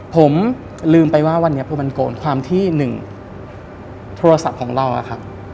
ผมลืมไปว่าวันนี้พอมันโกนความที่๑โทรศัพท์ของเราอะครับ